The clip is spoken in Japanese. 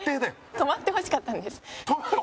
止まってほしかったんです。